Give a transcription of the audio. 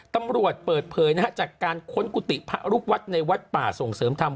ตำรวจเปิดเผยนะฮะจากการค้นกุฏิพระลูกวัดในวัดป่าส่งเสริมธรรม